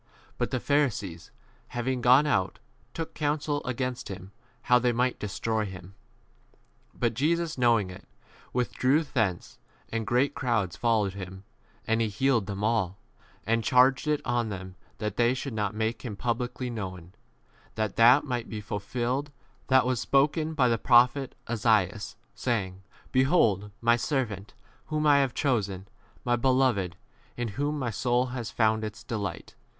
But the Pharisees, having gone out, took counsel against him how they might destroy him. 15 But Jesus knowing it, withdrew thence, and great crowds followed 16 him ; and he healed them all : and charged it on them that they should not make him publicly J 7 known : that k that might be ful filled [that was] spoken by the 18 prophet Esaias, saying, Behold my servant, whom I have chosen, my beloved in whom my soul has found its delight.